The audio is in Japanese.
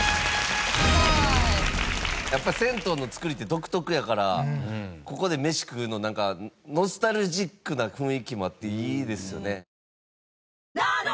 やっぱ銭湯の造りって独特やからここで飯食うのなんかノスタルジックな雰囲気もあっていいですよね。